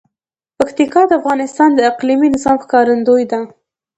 پکتیکا د افغانستان د اقلیمي نظام ښکارندوی ده.